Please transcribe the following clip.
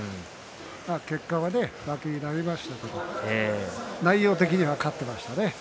結果は負けとなりましたけど内容的には勝っていましたね。